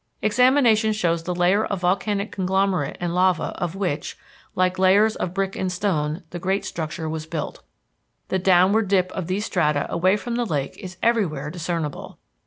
Examination shows the layers of volcanic conglomerate and lava of which, like layers of brick and stone, the great structure was built. The downward dip of these strata away from the lake is everywhere discernible.